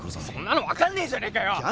そんなの分かんねえじゃねえかよ。